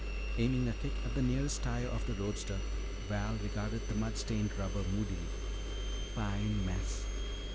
Aiming a kick at the nearest tire of the roadster, Val regarded the mud stained rubber moodily. "Fine mess!"